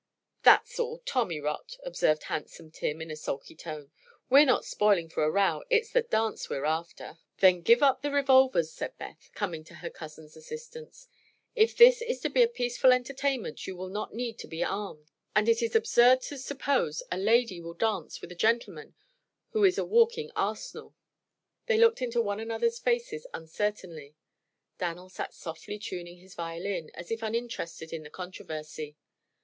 "That's all tommy rot," observed Handsome Tim, in a sulky tone. "We're not spoiling for a row; it's the dance we're after." "Then give up the revolvers," said Beth, coming to her cousin's assistance. "If this is to be a peaceful entertainment you will not need to be armed, and it is absurd to suppose a lady will dance with a gentleman who is a walking arsenal." They looked into one another's faces uncertainly. Dan'l sat softly tuning his violin, as if uninterested in the controversy.